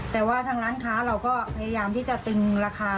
แต่ว่าทั้งร้านค้าเราก็พยายามจัดตินราคา